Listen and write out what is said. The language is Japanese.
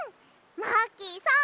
マーキーさん